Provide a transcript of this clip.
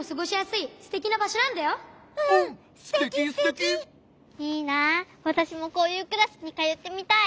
いいなわたしもこういうクラスにかよってみたい。